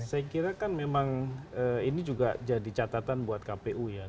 saya kira kan memang ini juga jadi catatan buat kpu ya